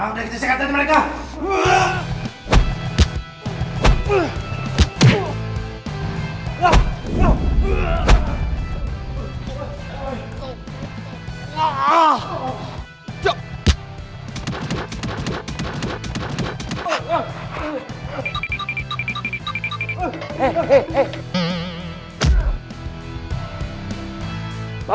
udah kita sekatan mereka